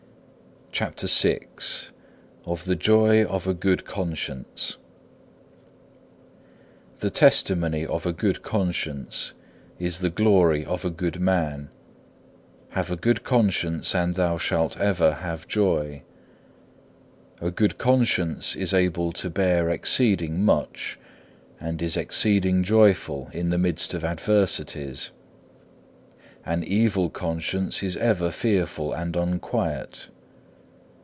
CHAPTER VI Of the joy of a good conscience The testimony of a good conscience is the glory of a good man. Have a good conscience and thou shalt ever have joy. A good conscience is able to bear exceeding much, and is exceeding joyful in the midst of adversities; an evil conscience is ever fearful and unquiet.